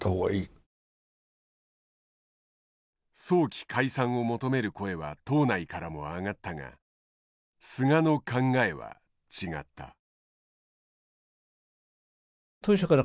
早期解散を求める声は党内からも上がったが菅の考えは違った。